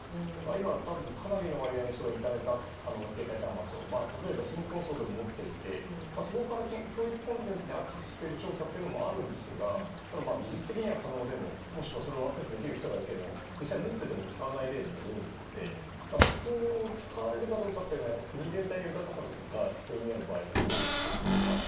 今、かなりの割合の人がインターネットアクセスが可能な携帯端末を貧困層でも持っていてそこから教育コンテンツにアクセスすることもあるんですが、ただ技術的には可能でももしくはそれをアクセスできる人がいても実際持っていても使わない例も多いのでそこを使われるかどうかは国全体の豊かさが必要になる場合が多いことが。